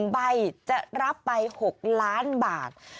๑ใบจะรับไป๖ล้านบาท